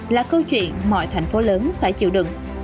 là câu chuyện mọi thành phố lớn phải chịu đựng